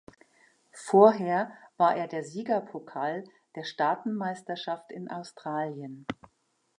Vorher war er der Siegerpokal der Staaten-Meisterschaft in Australien.